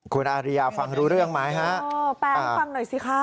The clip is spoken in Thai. คุณอาริยาฟังรู้เรื่องไหมฮะเออแปลให้ฟังหน่อยสิคะ